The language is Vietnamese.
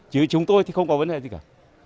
chứ chúng tôi thì không có vấn đề gì cả